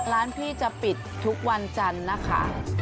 ร้านพี่จะปิดทุกวันจันทร์นะคะ